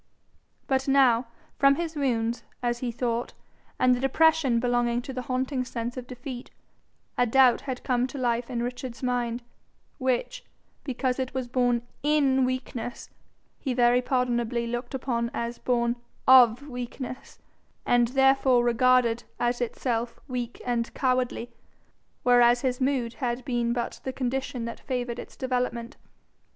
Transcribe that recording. But now, from his wounds, as he thought, and the depression belonging to the haunting sense of defeat, a doubt had come to life in Richard's mind, which, because it was born IN weakness, he very pardonably looked upon as born OF weakness, and therefore regarded as itself weak and cowardly, whereas his mood had been but the condition that favoured its development.